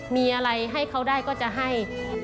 มีอะไรให้เขาได้ก็จะให้